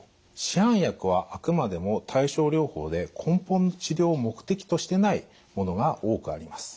市販薬はあくまでも対症療法で根本の治療を目的としてないものが多くあります。